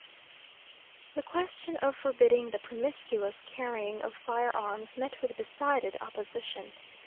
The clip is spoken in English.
The question of forbidding the promiscuous carrying of firearms met with decided opposition.